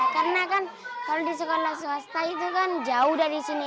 karena kan kalau di sekolah swasta itu kan jauh dari sini